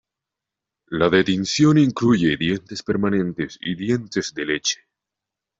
La dentición incluye dientes permanentes y dientes de leche.